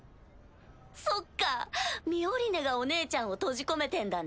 そっかミオリネがお姉ちゃんを閉じ込めてんだね。